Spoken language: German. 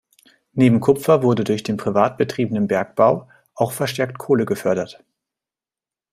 Neben Kupfer wurde durch den privat betriebenen Bergbau auch verstärkt Kohle gefördert.